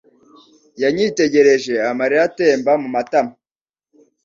Yanyitegereje amarira atemba mumatama.